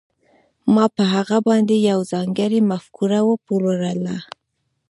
ما په هغه باندې یوه ځانګړې مفکوره وپلورله